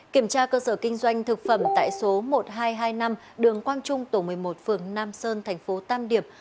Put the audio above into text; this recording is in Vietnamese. kiểm tra cơ sở kinh doanh thực phẩm tại số một nghìn hai trăm hai mươi năm đường quang trung tổ một mươi một phường nam sơn thành phố tam điệp